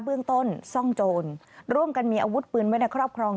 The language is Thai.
เบื้องต้นซ่องโจรร่วมกันมีอาวุธปืนไว้ในครอบครอง